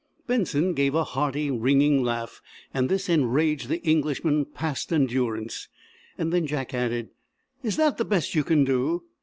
Benson gave a hearty ringing laugh and this enraged the Englishman past endurance. Then Jack added, "Is that the best you can do?"